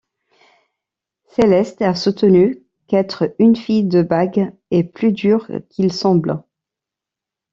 Celeste a soutenu qu'être une fille de bague est plus dur qu'il semble.